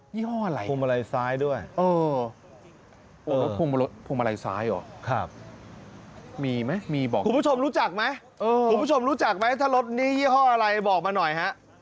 ยี่ห้ออะไรนะครับคุณผู้ชมรู้จักไหมถ้ารถนี้ยี่ห้ออะไรบอกมาหน่อยครับ